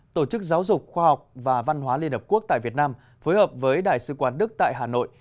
tổ chức giáo dục khoa học và văn hóa liên hợp quốc tại việt nam phối hợp với đại sứ quán đức tại hà nội